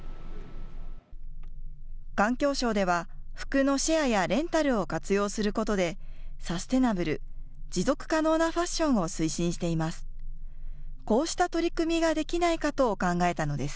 環境省では服のシェアやレンタルを活用することでサステナブル・持続可能なファッションを推進しています。